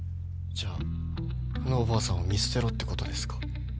じゃああのおばあさんを見捨てろってことですか？